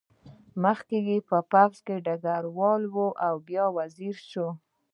مخکې یې په پوځ کې ډګروال و او بیا وزیر شو.